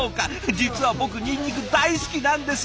実は僕ニンニク大好きなんです。